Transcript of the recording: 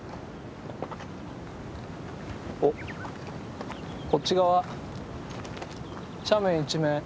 おこっち側斜面一面